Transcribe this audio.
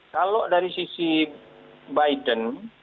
kalau dari sisi biden